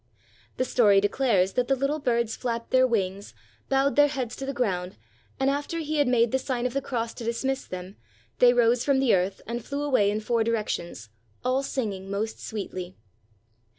The story de clares that the little birds flapped their wings, bowed their heads to the ground, and after he had made the sign of the cross to dismiss them, they rose from the earth and flew away in four directions, all singing most sweetly.